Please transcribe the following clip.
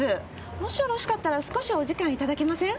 もしよろしかったら少しお時間いただけません？